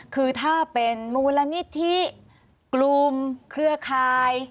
คือถ้าเป็นมูลนิธิกลุ่มเครือข่าย